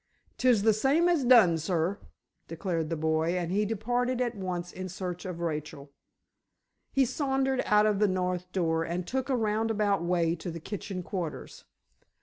"'Tis the same as done, sir!" declared the boy, and he departed at once in search of Rachel. He sauntered out of the north door and took a roundabout way to the kitchen quarters.